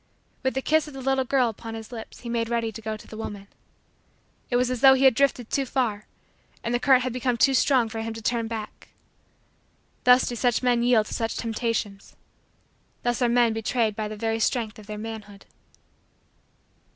With the kiss of the little girl upon his lips he made ready to go to the woman. It was as though he had drifted too far and the current had become too strong for him to turn back. Thus do such men yield to such temptations. Thus are men betrayed by the very strength of their manhood.